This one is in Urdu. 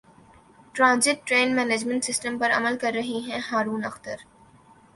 ٹرانزٹ ٹریڈ مینجمنٹ سسٹم پر عمل کر رہے ہیں ہارون اختر